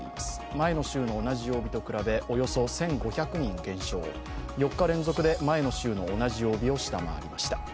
前の週の同じ曜日と比べおよそ１５００人減少、４日連続で前の週の同じ曜日を下回りました。